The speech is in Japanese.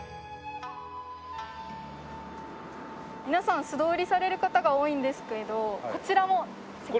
皆さん素通りされる方が多いんですけれどこちらも世界遺産に。